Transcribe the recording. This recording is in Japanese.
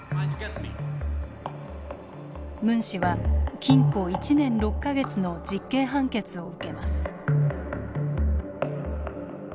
ムン氏は禁錮１年６か月の実刑判決を受けます。